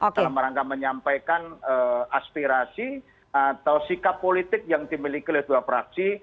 dalam rangka menyampaikan aspirasi atau sikap politik yang dimiliki oleh dua fraksi